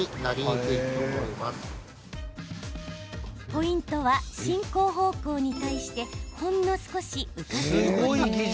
ポイントは進行方向に対してほんの少し浮かせること。